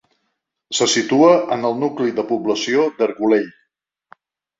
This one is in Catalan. Se situa en el nucli de població d'Argolell.